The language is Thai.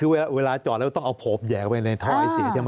ต่างกันคือเวลาจอดแล้วต้องเอาโผล่แหย่ไว้ในท่อไอเสีย